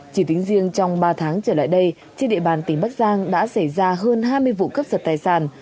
chỉ tính riêng trong ba tháng trở lại đây trên địa bàn tỉnh bắc giang đã xảy ra hơn hai mươi vụ cấp giật tài sản